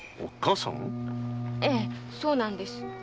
ええそうなんです。